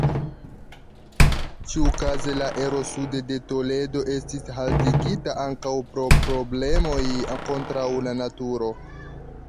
Ĉiukaze la ero sude de Toledo estis haltigita ankaŭ pro problemoj kontraŭ la naturo.